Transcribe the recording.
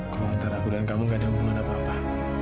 kalau antara aku dan kamu gak ada hubungan apa apa